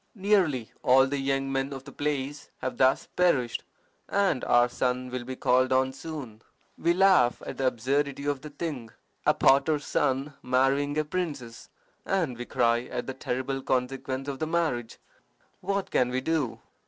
Nearly all the young men of the place have thus perished, and our son will be called on soon. We laugh at the absurdity of the thing a potter's son marrying a princess, and we cry at the terrible consequence of the marriage. What can we do?"